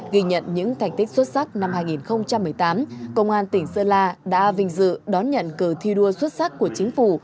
ghi nhận những thành tích xuất sắc năm hai nghìn một mươi tám công an tỉnh sơn la đã vinh dự đón nhận cờ thi đua xuất sắc của chính phủ